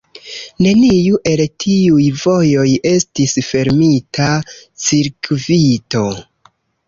Neniu el tiuj vojoj estis fermita cirkvito.